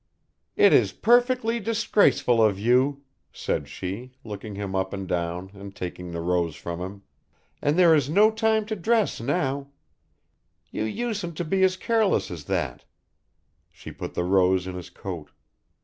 "It is perfectly disgraceful of you," said she, looking him up and down and taking the rose from him, "and there is no time to dress now; you usen't to be as careless as that," she put the rose in his coat.